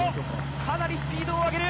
かなりスピードを上げる。